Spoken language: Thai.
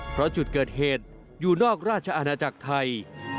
เพราะจุดเกิดเหตุอยู่นอกราชอาณาจักรไทย